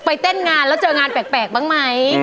เต้นงานแล้วเจองานแปลกบ้างไหม